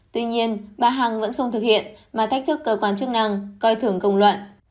tuy nhiên bà hằng vẫn không thực hiện mà thách thức cơ quan chức năng coi thưởng công luận